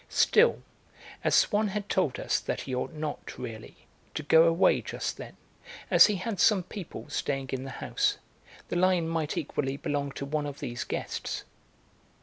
Still, as Swann had told us that he ought not, really, to go away just then, as he had some people staying in the house, the line might equally belong to one of these guests.